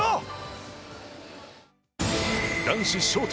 男子ショート